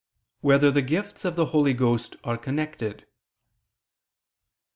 5] Whether the Gifts of the Holy Ghost Are Connected?